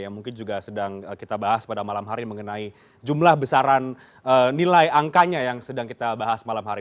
yang mungkin juga sedang kita bahas pada malam hari mengenai jumlah besaran nilai angkanya yang sedang kita bahas malam hari